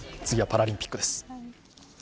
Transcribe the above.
次はパラリンピックです。